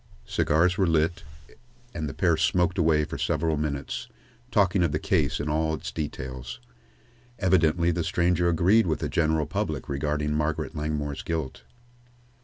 Cigars were lit, and the pair smoked away for several minutes, talking of the case in all of its details. Evidently the stranger agreed with the general public regarding Margaret Langmore's guilt.